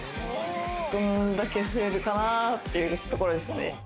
どんだけ増えるかなっていうところですかね。